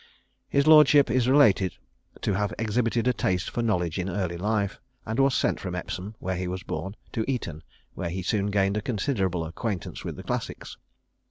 His lordship is related to have exhibited a taste for knowledge in early life, and was sent from Epsom, where he was born, to Eton, where he soon gained a considerable acquaintance with the classics.